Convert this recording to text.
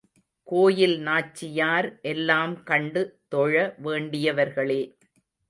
கோயில் நாச்சியார் எல்லாம் கண்டு தொழ வேண்டியவர்ளே.